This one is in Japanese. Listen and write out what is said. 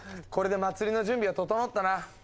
これで祭りの準備は整ったな。